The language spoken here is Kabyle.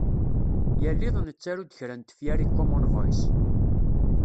Yal iḍ nettaru-d kra n tefyar i Common Voice.